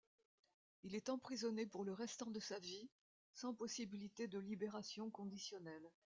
Il est emprisonné pour le restant de sa vie, sans possibilité de libération conditionnelle.